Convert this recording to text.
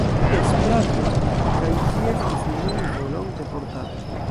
Jes, prave, kaj ĝi estas nun volonte portata.